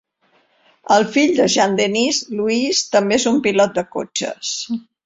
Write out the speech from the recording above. El fill de Jean-Denis, Louis, també és un pilot de cotxes.